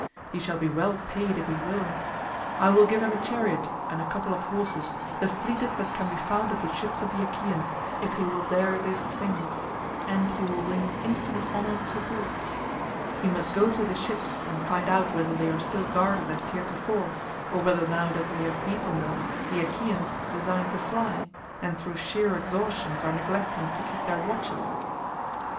He shall be well paid if he will. I will give him a chariot and a couple of horses, the fleetest that can be found at the ships of the Achaeans, if he will dare this thing; and he will win infinite honour to boot; he must go to the ships and find out whether they are still guarded as heretofore, or whether now that we have beaten them the Achaeans design to fly, and through sheer exhaustion are neglecting to keep their watches."